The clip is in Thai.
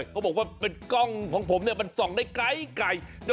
เขาบอกว่าเป็นกล้องของผมซ่องได้ไกล